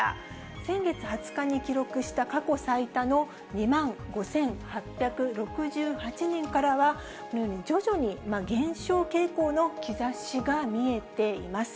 先月２０日に記録した過去最多の２万５８６８人からは、このように徐々に減少傾向の兆しが見えています。